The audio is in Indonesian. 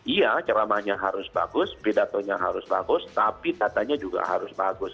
iya ceramahnya harus bagus pidatonya harus bagus tapi datanya juga harus bagus